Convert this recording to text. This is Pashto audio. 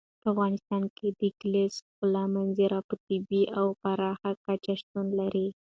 په افغانستان کې د کلیزو ښکلې منظره په طبیعي او پراخه کچه شتون لري.